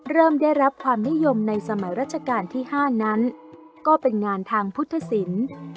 เริ่มได้รับความนิยมในสมัยราชการที่๕นั้นก็เป็นงานทางพุทธศิลป์